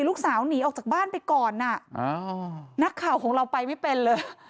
ลูกสาวหนีออกจากบ้านไปก่อนนักข่าวของเราไปไม่เป็นเลย